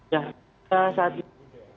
ya kita saat ini